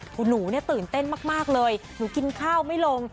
หนูเนี่ยตื่นเต้นมากเลยหนูกินข้าวไม่ลง